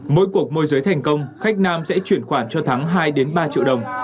mỗi cuộc môi giới thành công khách nam sẽ chuyển khoản cho thắng hai ba triệu đồng